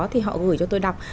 thì họ gửi cho tôi đọc